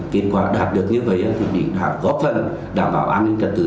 kết quả đạt được như vậy thì đảm bảo an ninh trật tự